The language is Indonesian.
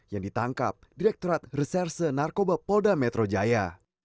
yang ditangkap direkturat reserse narkoba polda metro jaya